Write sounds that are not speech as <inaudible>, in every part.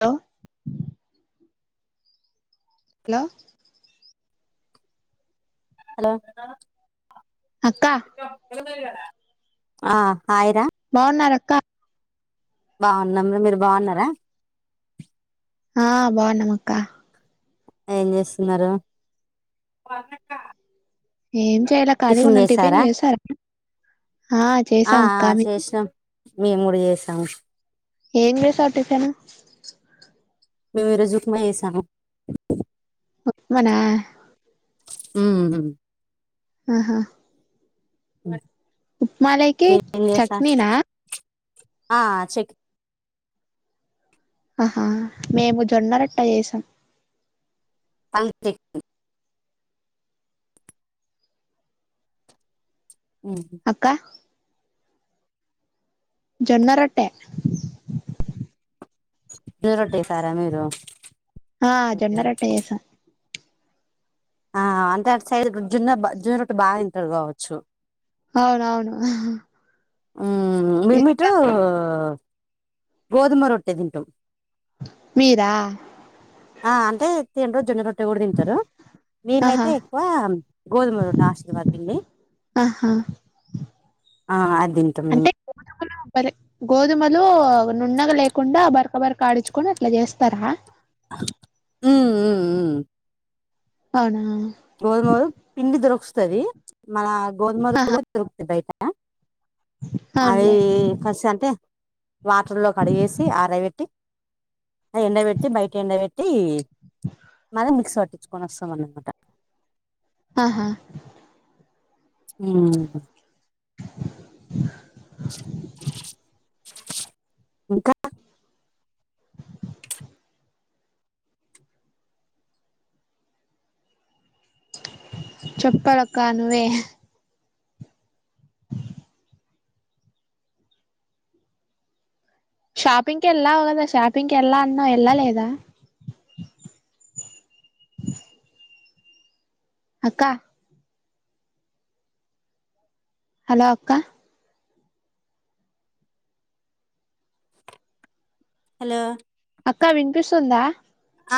లో లో హలొ అక్క ఆ హాయ్ రా బావున్నరక్క బావున్నంరా మీరు బాన్నారా ఆ బావున్నం అక్క ఎన్ జేసున్నరు ఎన్ జేలా కలిగున్నం టిఫిన్ చేసారా జేసారా. ఆ ఆ చేసాం అక్క ఆ చేష్నాం మేం గూడా ఎష్నాం ఏన్ జెష టిఫను మీము ఈ రోజు ఊప్మా చేసాను ఉప్మానా మ్ ఆహా ఉప్మాలోకి మీరేం చేస్తా చట్నీనా ఆ చెక్ ఆహా మేము జొన్నరోట్టే చేసాం పల్కె మ్ హు ఇంకా జొన్నరోట్టె రోట్టేసరా మీరు ఆ జొన్నరోట్టే చేసాం ఆ అంటే అటు సైడ్ జొన్న బా జొన్న రొట్టే బా తీంటారు కావచ్చు అవునవును మ్ మేమిట్ గోధుమ రొట్టె తింటాం మీరా ఆ అంటే తేిన్ ర్ జొన్న రోట్ ట్టే కూడా తింటారు ఆహా మేమైతే ఎక్కువ గోధుమ రోట్టే ఆశీర్వాద్ పండి ఆహా ఆ అది తింటాం మీము సరే గోధుమలు నుంనగా లేకుండా బరక బరక ఆడిచ్ కోనీ అట్లా చేస్తార మ్ మ్ మ్ అవునా గోధుమలు పిండి దొరుకుస్తది మన గోధుమలు కూడా దొరుకుతయ్ బయట అవి అవునులే కసి అంటే వాటర్లో కడిగేసి ఆరబెట్టి అవిఎండ పెట్టి బయట ఎండ పెట్టి మళ్ళ మిక్సీ పట్టించుకొని వస్తాం అనమాట ఆహా మ్ ఇంకా చెప్పలక్క నువ్వే షాపింగ్ కేలావు కదా షాపింగ్ కేళ్ళ అన్నావ్ ఎళ్ళ లేదా అక్క హలో అక్క హలో అక్క వినిపిస్తుందా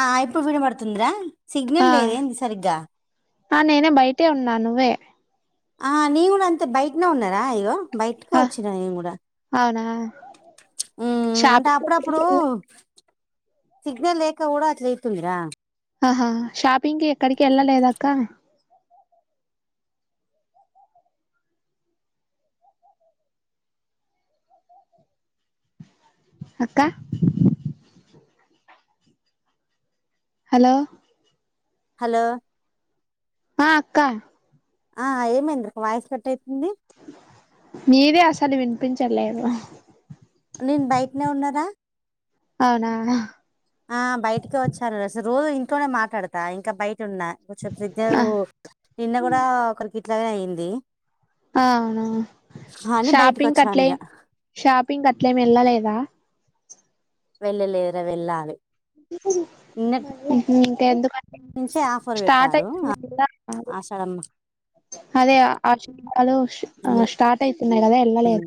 ఆ అ ఇప్పుడు వినపడుతుందిరా ఆ సిగ్నల్ లేదేంది సరిగ్గా ఆ నేనే బయటే ఉన్నా నువ్వే ఆ నీను కూడా అంతె బయట్నే ఉన్నారా ఇగోబయటికె ఆ వచ్చినా నేను కూడా అవునా మ్ మ్ అంటే షాపింగ్ ఎక్కడికి అప్పుడప్పుడు వెళ్ళ సిగ్నల్ లేేక కూడ అట్ల అయితుంది రా ఆహా షాపింగ్కిి ఎక్కడికేళ్ళలేద అక్క అక్క హలో హలో ఆ అక్క ఆ ఏమైంది వాయిస్ కట్ అయితుంది మీదే అసలు వినిపించలేదు నేను బయటనే ఉన్నరా అవునా ఆ బయటకే వచ్చారు అసలు రోజు ఇంట్లోనే మాట్లాడతా ఇంకా బయట ఉన్నా ఆ <inaudible> నిన్న కూడ ఒకరికి ఇట్లనే అయింది అ అవును అని బయటకి షాపింగ్ వచ్చాను అట్లే ఇక షాపింగ్ అట్లేమి వెళ్ళలేదా వెళ్ళలేదు వెళ్ళాలి నిన్నటి ఇంక ఎంత మంది నుంచే ఆఫర్ పెట్టారు కదా ఆషాఢం లో అదే ఆ ఆ స్టార్ట్ అయితుంది కదా వెళ్ళలేదు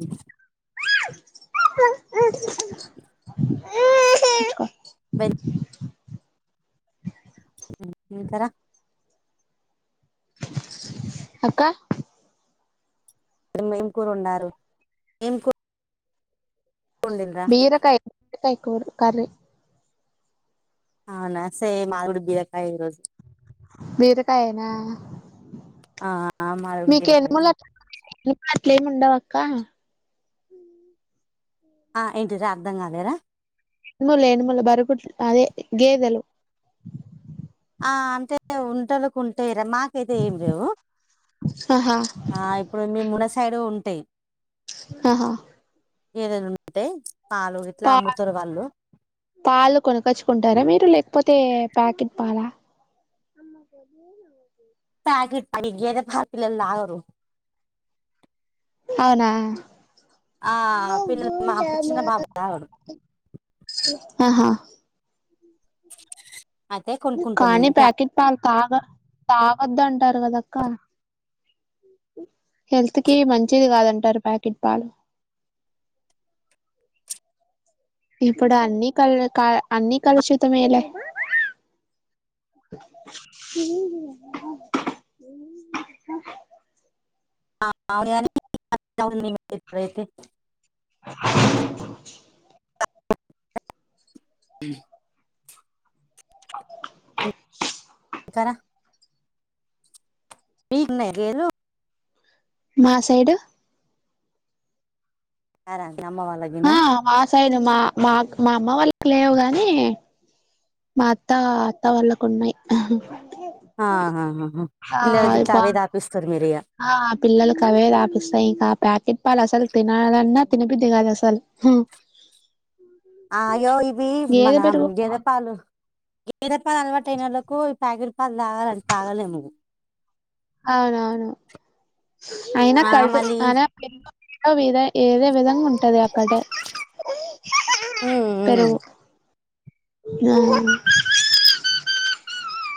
ఆ <unintelligible> పెన్ వెళ్తారా అక్క ఏం కూర వండారు ఏం కూ బీరకాయ <inaudible> కర్రీ అవునా సేమ్ మాది కూడ బీరకాయ ఈ రోజు బీరకాయేనా ఆ మాది కూడా మీకు బీరకాయ ఎనుములు అట్లేం ఉండవు అక్క ఆ ఏంటి రా అర్థం కాలేరా ఎనుములు ఎనుములు <unintelligible> అదే గేదెలు ఆ అంతే ఉంటనుకుంటే ఇడ మాకైతే ఏమి లేవు ఆహా ఆ ఇప్పుడు మేమున్న సైడుగా ఉంటాయి ఆహా ఏదైనా ఉంటె పాలు ఇట్లా పా అమ్ముతారు వాళ్ళు పాలు కొనకొచ్చుకుంటారా మీరు లేకపోతే ప్యాకెట్ పాలా చెదికు ప్యాకిట్ <inaudible> గేదె పాలు పిల్లలు తాగారు అవునా ఆ పి మా చిన్న పాప తాగదు ఆహా అయితే కొనుక్కుంటాం కానీ ప్యాకెట్ పాలు తాగ తాగొద్దు అంటారు కదక్క హెల్త్ కి మంచిది కాదంటారు ప్యాకెట్ పాలు ఇప్పుడు అన్ని కల్ క అన్ని కలుషితమేలే <inaudible> <inaudible> ఇప్పుడైతే <inaudible> మ్మ్ <inaudible> మ్మ్ కరా <unintelligible> లేరు మా సైడు నార అమ్మ వా ఆ మా సైడు మా మా మా అమ్మ వాళ్ళకి లేవు గాని మా అత్తా అత్త వాళ్ళకు ఉన్నయి. ఆహా పిల్లలకు గిట్లా అవే తాపిస్తరు మీరు ఇగ. ఆ పిల్లలకి అవే తాపిస్తా ఇంకా ఆ ప్యాకెట్ పాలు అసలు తినాలన్నా తినబుద్ది కాదు అసలు. <inaudible> అయ్యో ఇవి మన గేదె పెరుగు గేద పాలు గేదె పాలు అలవాటయినోళ్లకు ఈ ప్యాకెట్ పాలు తాగాలని తాగలేము. అవునవును అయినా ఆ కడు మళ్ళీ అయినా ఏదో విధ ఏదో విధంగా ఉం టది అక్కడ, ఉమ్, ఉమ్. పెరుగు <inaudible>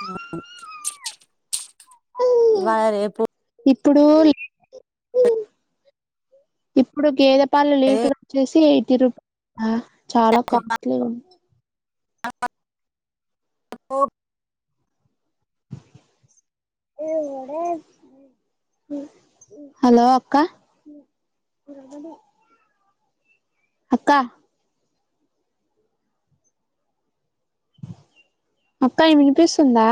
ఆ ఇవ్వాలా, రేపు ఇప్పుడు ఇప్పుడు గేదె పాలు అదే లీటర్ వచ్చేసి ఎయిటీ రూ చాలా కాస్ట్లీగా ఉం హలో అక్క <inaudible> అక్క అక్క వినిపిస్తుందా?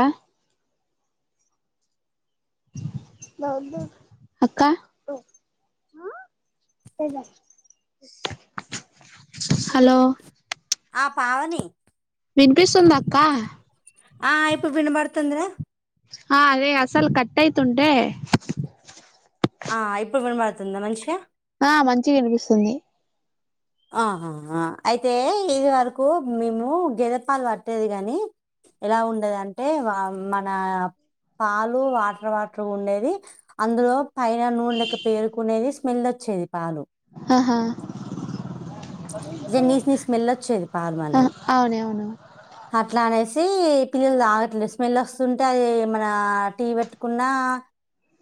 అక్క హలో ఆ పావని వినిపిస్తుందా అక్క? ఆ ఇప్పు వినబడుతుందిరా. ఆ అదే అసలు కట్ అయితుంటే. ఆ ఇప్పుడు వినబడుతుందా మంచిగా. ఆ మంచిగా వినిపిస్తుంది. ఆహా అయితే ఇది వరకు మేము గేదె పాలు పట్టేది గాని ఎలా ఉండేదంటే వా మన పాలు వాటర్ వాటరుగా ఉండేది. అందులో పైన నూనె లెక్క పేరుకునేది, స్మెల్ వచ్చేది పాలు. హహా ఇగ నీస్ నీస్ స్మెల్ వచ్చేది పాలు మా అవునవును. అట్లా అనేసి పిల్లలు తాగట్లేదు స్మెల్ వస్తుంటే అది మన టీ పెట్టుకున్న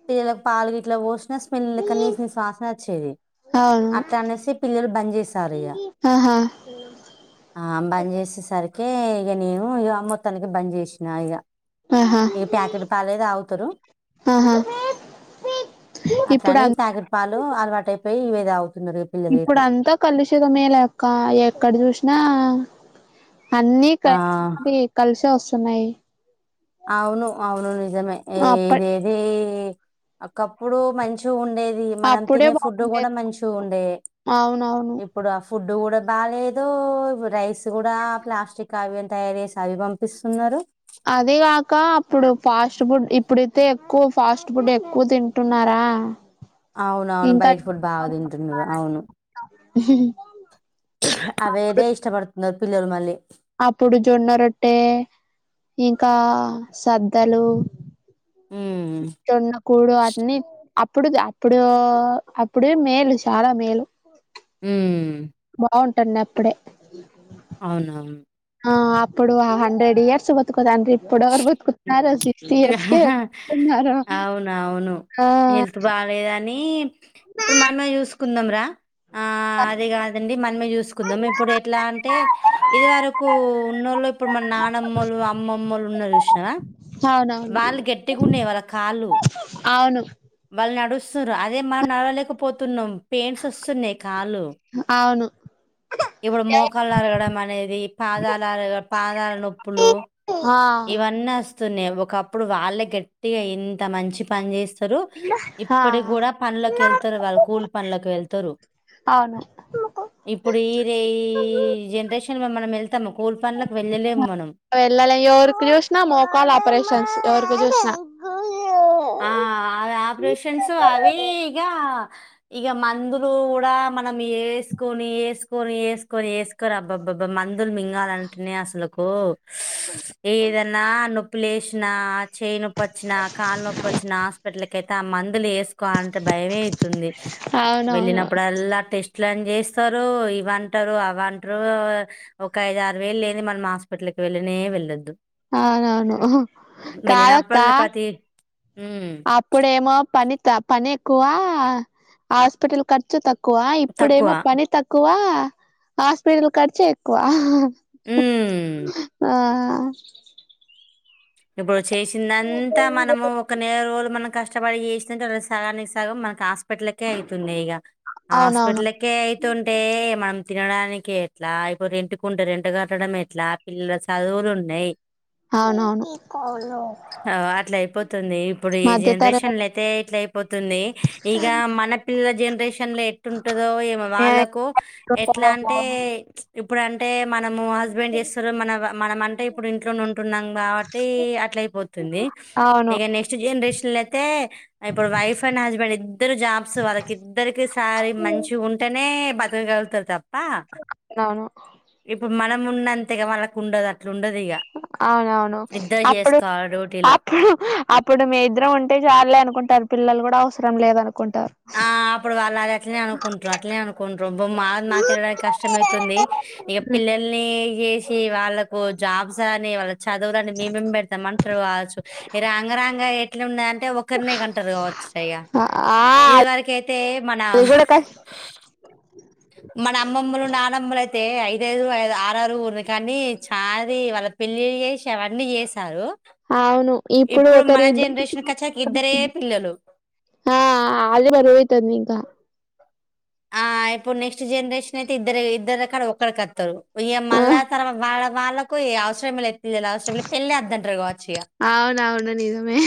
పిల్లలకు పాలు గిట్ల పోశినా పిల్లలకు నీసు నీసు వాసన వచ్చేది అట్లా అనేసి పిల్లలు బంద్ చేసారు ఇగ. అహా ఆ బంజేస సరికే ఇగ నేను ఇగ మొత్తానికే బంద్ చేశినా ఇగ. ఆహా ప్యాకెట్ పాలే తాగుతరు. ఆహా ఇప్పుడు అ అట్లని ప్యాకెట్ పాలు అలవాటు అయిపోయి ఇవే తాగుతున్నరు. ఇప్పుడు అంతా కలుషితమేలే అక్క ఎక్కడ చూశినా అన్నీ ఆ కలిపి కలిశే వస్తున్నయి. అవును అవును నిజమే ఇదేది ఒకప్పుడు మంచి ఉండేది మనం అప్పుడే తినే ఫుడ్ బాగుండేది గుడా మంచి ఉండే అవునవును ఇప్పుడు ఆ ఫుడ్ గుడా బాలేదు రైస్ గుడా ప్లాస్టిక్ కావ్యం తయారుచేసి అవి పంపిస్తున్నారు అదిగాక అప్పుడు ఫాస్ట్ బుడ్ ఇప్పుడైతే ఎక్కువ ఫాస్ట్ బుడే ఎక్కువ టున్నారా అవునవును బయట ఫుడ్ బాగ తింటున్నరు అవును అవేదే ఇష్టపడుతున్నారు పిల్లలు మళ్ళీ అప్పుడు జొన్న రొట్టె ఇంకా సద్దలు మ్మ్ జొన్న కూడు అన్ని అప్పుడు అప్పుడు అప్పుడు మేలు చాలా మేలు మ్మ్ బావుంటునప్పుడే అవునా ఆ అప్పుడు ఆ హండ్రెడ్ ఇయర్స్ బతుకుదండ్రీ ఇప్పుడెవరు బతుకుత్నారు అవునవును ఆ హెల్త్ బాలేదని ఇప్పుడు మన్మే చూసుకుందం రా ఆ అదే గాదండి మనమే జూసుకుందాం ఇప్పుడు ఎట్లా అంటే ఇది వరకు ఉన్నోళ్ళు ఇప్పుడు మన నానమ్మోలు అమ్మమ్మోల్లు ఉన్న చూషినవ అవునవును వాళ్ళు గెట్టిగుండె వాళ్ళ కాళ్ళు అవును వాళ్ళు నడుస్తురు అదే మనం నడవలేకపోతున్నం పెయిన్స్ వస్తున్నాయి కాలు అవును ఇప్పుడు మోకాలు అరగడం అనేది పాదాలు అరగ పాదాల నొప్పులు ఆ ఇవన్నీ అస్తున్నాయి ఒకప్పుడు వాళ్ళే గెట్టిగా ఎంత మంచి పని చేస్తు ఆ ఇప్పటికి గూడా పనులకు ఎళ్తరు వాళ్ళు కూలీ పనులకు వెళ్తరు అవున ఇప్పుడు ఈ రే ఈ జనరేషన్లో మనం ఎళ్తామా మనం కూలు పనులకు వెళ్ళలేం ఎవురుకి చూస్న మోకాల్ ఆపరేషన్స్ ఎవురుకి చూస్నా ఆ అదాపరేషన్స్ అవిగా ఇగ మందులు గూడా మనం ఏస్కోని ఏస్కొని ఏస్కోని ఏస్ అబ్బబ్బబ్బా మందులు మింగాలంటనే అసలుకు అ ఏదన్నా నొప్పు లేష్నా చెయ్యి నొప్పచ్చినా కాళ్లు నొప్పచ్చినా హాస్పిటల్ కైతే మందులు ఏసుకోలంటే భయమైతుంది అవునవును వెళ్ళినప్పుడల్లా ఇట్లని జేస్తారు ఇవంటరు అవంట్రు ఒక ఐదారు వేలు లేని మనం హాస్పిటల్కి వెళ్ళనే వెళ్ళొద్దు అవునవును వెెళ్ళి నా కాదక్క పల్ల పతి అప్పుడేమో పని పని ఎక్కువ హాస్పిటల్ ఖర్చు క్కువ తక్కువ ఇప్పుడేమో పని తక్కువ హాస్పిటల్ కడిచే ఎక్కువ ఉమ్. ఆ చేసిందంతా మనము ఒక నెర రోలు మనం కష్టపడి చేస్తుంటే అ సగానికి సగం మనకి హాస్పిటల్కే అవుతున్నాయి ఇగ అవునవును ఆస్పటలకేయ్ ఉంటే మనం తినడానికి ఎట్లా ఇపుడు రెంట్కు ఉంటే రెంట్ కట్టడం ఎట్లా పిల్లల చదువులు ఉన్నయి అవునవును ఆగో అట్లా అయిపోతుంది ఇప్పుడు ఈ మధ్య జనరేషన్ల తరగతి అయితే ఇట్ల అయిపోతుంది ఇగ మన పిల్ల జనరేషన్లో ఎట్లుంటదో ఏమో వాళ్లకు ఎట్లా ఉంటదో అంటే బాబు ఇప్పుడు అంటే మనము హస్బెండ్ చేస్తరు మన మనం అంటే ఇప్పుడు ఇంట్లోనే ఉంటున్నాం గబ థీ అట్లయిపోతుంది అవును ఇక నెక్స్ట్ జనరేషన్ ల అయితే ఇప్పుడు వైఫ్ అండ్ హస్బెండ్ ఇద్దరు జాబ్స్ వాళ్ళకి ఇద్దరికి సారి మంచి ఉంటేనే బ తగలుగుతారు తప్ప అవును ఇప్పుడు మనం ఉన్నంతేగా వాళ్ళకి ఉండదు అట్లు ఉండదు ఇగ అవునవును అప్పుడు డ్యూటీలు అప్పుడు అప్పుడు మీ ఇద్దరం ఉంటే చాలే అనుకుంటారు పిల్లలు కూడా అవసరం లేదఅనుకుంటారు ఆ అప్పుడు వాళ్ళది అట్లనే అనుకుంట్రూ అట్లేనే అనుకుంట్ర బు మాది మాకేల్లడానికి కష్టమైతే తుది ఇక పిల్లల్ని చేసి వాళ్ళకు జాబ్స్ అని చదవుదండి మేమేం పెడతాం అంటరు గావచ్చు ఇగ రాంగ రాంగ ఎట్లున్నేదాంటే ఒకరినే కంటారు కావచ్చ ఇగ అ ఆ ఇదివరకైతే మన అది కూడా కష్ మన అమ్మమ్మలు నానమ్మలు అయితే ఐదఐదుఐ ఆరు ఆరు ఊరిని కానీ చాలీ వాళ్ళ పెళ్లిలు చేసి ఆవన్నీ చేసారు అవును ఇప్పుడు ఒకరి మన ఇద్దరు జనరేషన్కచ్చాక ఇద్దరే పిల్లలు ఆ అదే బరువైతాంది ఇంకా ఆ ఇప్పుడు నెక్స్ట్ జనరేషన్ అయితే ఇద్దరు ఇద్దరు రకాడ ఒక్కడికి వతరు ఇగ మళ్ళా తర వాళ్ళ వాళ్ళలకు ఈ అవసరలే పిలలు అవసర పెళ్లవద్దంటారు కావచ్చు ఇగ అవున అవును నిజం మే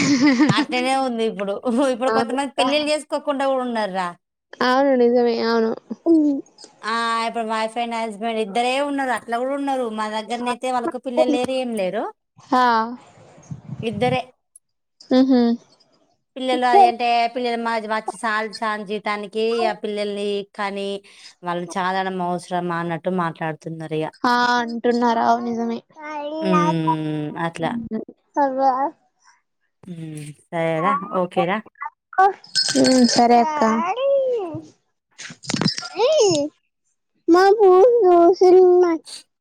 అట్టనే ఉంది ఇప్పుడు ఇప్పుడు కొంతమంది పెళ్లిళ్లు చేసుకోకుండా కూడా ఉన్నర్రా అవును నిజమే అవును ఆ ఇప్పుడు వైఫ్ అండ్ హస్బెండ్ ఇద్దరే ఉన్నారు అట్లా గుడా ఉన్నారు మా దగ్ దగ్గరనయితే వాళ్ళకి పిల్లలు లేరు ఏం లేరు ఆ ఇద్దరే ఉహు పిల్లలు అది అంటే పిల్లల మా వచ్చి సాలీ సాలే జీతానికి ఆ పిల్లల్ని కనీ వాళ్లు చదడం అవసరమా అన్నట్టు మాట్లాడుతున్నారు ఇగ ఆ అంటున్నారా అవు నిజమే ఉమ్, అట్లా సరేరా ఓకేరా ఉ సరే అక్కా ఏ మా బూ రసిిన మా అ